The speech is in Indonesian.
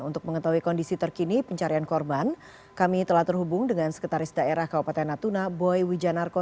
untuk mengetahui kondisi terkini pencarian korban kami telah terhubung dengan sekretaris daerah kabupaten natuna boy wijanarko